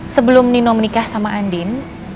sebelum nino menikah sama andin